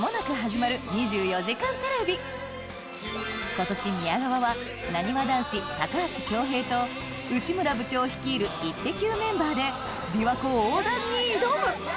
今年宮川はなにわ男子高橋恭平と内村部長率いる『イッテＱ』メンバーで琵琶湖横断に挑む！